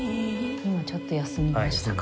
今ちょっと休みましたか。